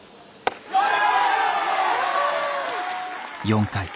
４回。